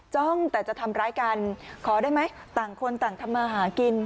จ้องแต่จะทำร้ายกันขอได้ไหมต่างคนต่างทำมาหากิน